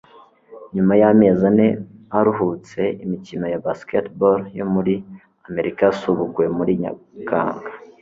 Nyuma y'amezi ane aruhutse, imikino ya basketball yo muri Amerika yasubukuwe muri Nyakanga